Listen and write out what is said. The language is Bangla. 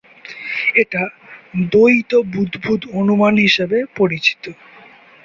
এটা দ্বৈত বুদবুদ অনুমান হিসেবে পরিচিত।